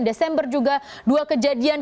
desember juga dua kejadian